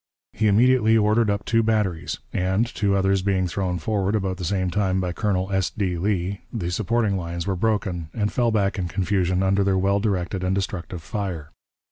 He immediately ordered up two batteries, and, two others being thrown forward about the same time by Colonel S. D. Lee, the supporting lines were broken, and fell back in confusion under their well directed and destructive fire.